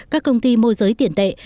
các công ty môi giới tiền tệ